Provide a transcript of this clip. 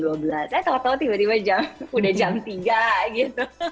saya tau tau tiba tiba udah jam tiga gitu